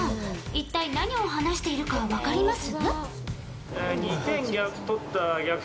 一体何を話しているか分かります？